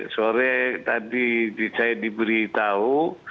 sore tadi saya diberitahu